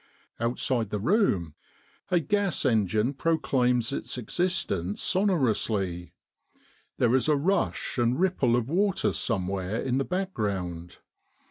Outside the room a gas engine proclaims its existence sonorously. There is a rush and ripple of water somewhere in the background.